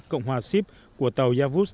cộng hòa ship của tàu yavuz